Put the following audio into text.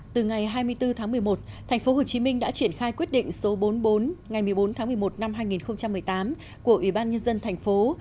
từ ngày hai mươi bốn tháng một mươi một tp hcm đã triển khai quyết định số bốn mươi bốn ngày một mươi bốn tháng một mươi một năm hai nghìn một mươi tám của ủy ban nhân dân thành phố